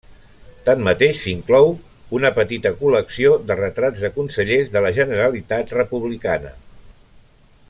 Tanmateix s'inclou una petita col·lecció de retrats de consellers de la Generalitat Republicana.